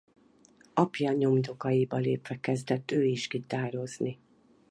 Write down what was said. Apja nyomdokaiba lépve kezdett ő is gitározni.